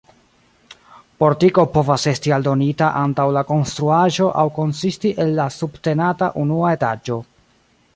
Portiko povas esti aldonita antaŭ la konstruaĵo aŭ konsisti el la subtenata unua etaĝo.